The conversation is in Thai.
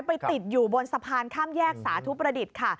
ไปติดอยู่บนสะพานข้ามแยกสาธุประดิษฐ์ค่ะ